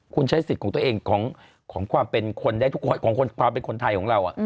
คุณใช้สิทธิ์ของตัวเองของความเป็นคนได้ทุกคนของความเป็นคนไทยของเรา